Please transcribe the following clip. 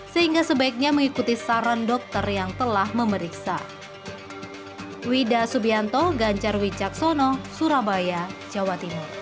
sehingga sebaiknya mengikuti saran dokter yang telah memeriksa